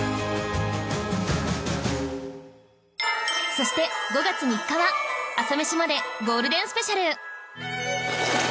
そして５月３日は『朝メシまで。』ゴールデンスペシャル